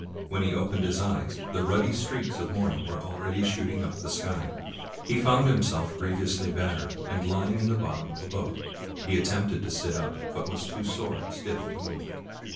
When he opened his eyes, the ruddy streaks of morning were already shooting up the sky. He found himself griev ously battered, and lying in the bottom of a boat. He attempted to sit up, but was too sore and stiff to move.